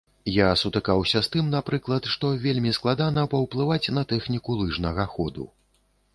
Я сутыкаўся з тым, напрыклад, што вельмі складана паўплываць на тэхніку лыжнага ходу.